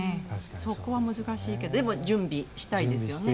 そこは難しいけどでも準備したいですね。